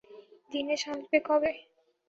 দীনেশ আসবে কবে?